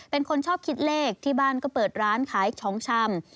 เป็นคนชอบคิดเลขที่บ้านก็เปิดร้านขายของชำ